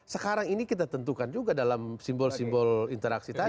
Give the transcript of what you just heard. sekarang ini kita tentukan juga dalam simbol simbol interaksi tadi